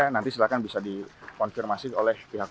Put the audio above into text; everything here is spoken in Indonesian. nanti silahkan bisa dikonfirmasi oleh pihak